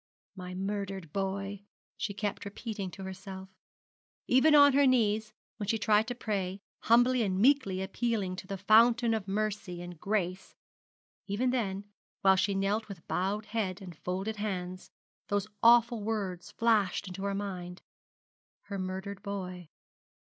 'My murdered boy,' she kept repeating to herself. Even on her knees, when she tried to pray, humbly and meekly appealing to the Fountain of mercy and grace even then, while she knelt with bowed head and folded hands, those awful words flashed into her mind. Her murdered boy.